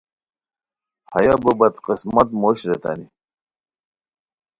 ! ہیہ بو بدقسمت موش ریتانی